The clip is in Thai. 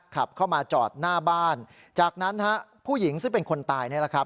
ขับเข้ามาจอดหน้าบ้านจากนั้นฮะผู้หญิงซึ่งเป็นคนตายนี่แหละครับ